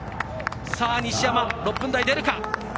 西山、６分台、出るか。